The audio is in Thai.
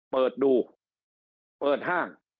เปิดดูเปิดห้าง